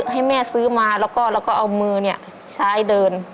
ให้แม่ซื้อมาแล้วก็เอามือใช้เดิน